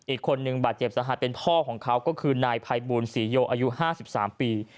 อีกคนนึงบาดเจ็บสาหัสเป็นพ่อของเขาก็คือนายภัยบูลศรีโยอายุ๕๓ปี